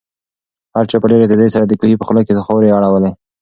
هر چا په ډېرې تېزۍ سره د کوهي په خوله کې خاورې اړولې.